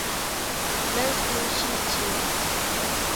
مەن سۇشىچى.